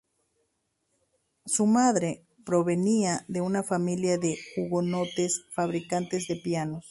Su madre provenía de una familia de hugonotes fabricante de pianos.